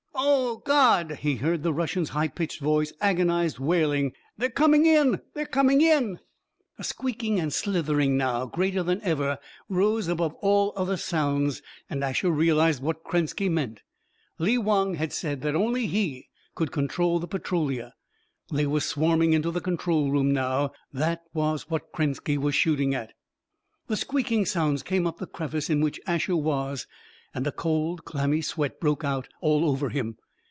"Oh, God!" he heard the Russian's high pitched voice, agonized, wailing, "they're coming in they're coming in!" A squeaking and slithering, now greater than ever, rose above all other sounds. And Asher realized what Krenski meant. Lee Wong had said that only he could control the Petrolia. They were swarming into the control room now. That was what Krenski was shooting at. The squeaking sounds came up the crevice in which Asher was and a cold, clammy sweat broke out all over him.